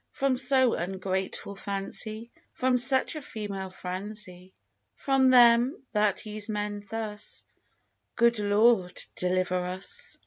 From so ungrateful fancy, From such a female franzy, From them that use men thus, Good Lord, deliver us!